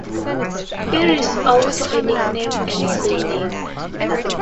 It is also a nickname and a surname.